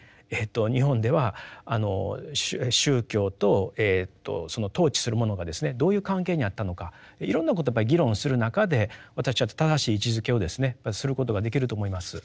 日本では宗教とその統治するものがですねどういう関係にあったのかいろんなことをやっぱり議論する中で私は正しい位置づけをですねすることができると思います。